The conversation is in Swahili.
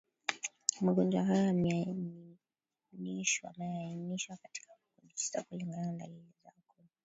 Magonjwa hayo yameainishwa katika makundi tisa kulingana na dalili zao kuu